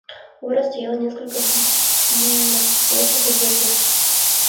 У ворот стояло несколько винных бочек и две пушки.